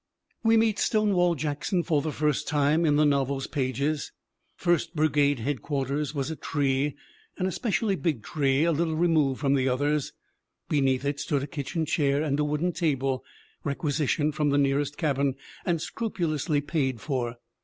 We meet Stonewall Jackson for the first time in the novel's pages : "First Brigade headquarters was a tree an espe cially big tree a little removed from the others. Be neath it stood a kitchen chair and a wooden table, requisitioned from the nearest cabin and scrupulously paid for.